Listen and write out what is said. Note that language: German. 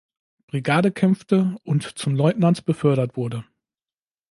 Brigade kämpfte und zum Leutnant befördert wurde.